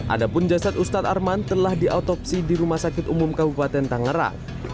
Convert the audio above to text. adapun jasad ustadz arman telah diautopsi di rumah sakit umum kabupaten tangerang